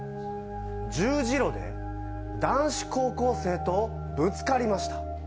十字路で、男子高校生とぶつかりました。